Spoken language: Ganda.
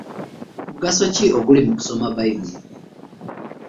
Mugaso ki oguli mu kusoma Bayibuli?